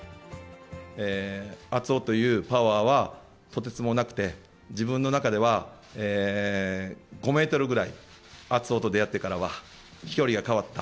熱男というパワーはとてつもなくて、自分の中では、５メートルくらい、熱男と出会ってからは飛距離が変わった。